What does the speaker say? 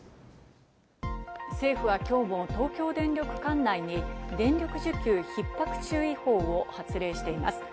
政府は今日も東京電力管内に電力需給ひっ迫注意報を発令しています。